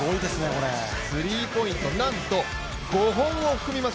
スリーポイント、なんと５本を含みます